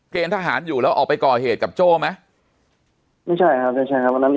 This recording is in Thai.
เกณฑ์ทหารอยู่แล้วออกไปก่อเหตุกับโจ้ไหมไม่ใช่วันนั้น